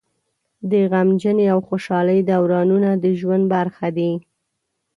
د غمجنۍ او خوشحالۍ دورانونه د ژوند برخه دي.